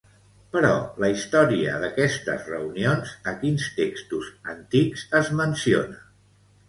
Però la història d'aquestes reunions a quins textos antics es menciona?